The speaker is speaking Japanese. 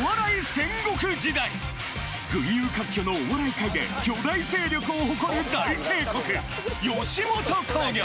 群雄割拠のお笑い界で巨大勢力を誇る大帝国吉本興業。